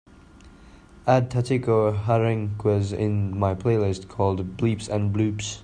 add Tatico Henriquez in my playlist called bleeps & bloops